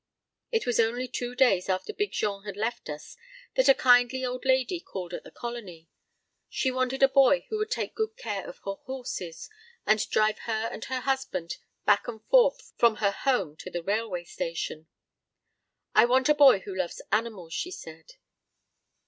It was only two days after Big Jean had left us that a kindly old lady called at the Colony. She wanted a boy who would take good care of her horses, and drive her and her husband back and forth from her home to the railway station. "I want a boy who loves animals," she said.